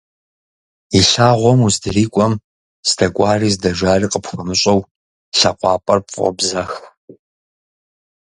И лъагъуэм уздрикIуэм, здэкIуари здэжари къыпхуэмыщIэу, лъакъуапIэр пфIобзэх.